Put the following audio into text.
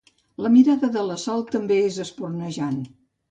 La mirada de la Sol també és espurnejant.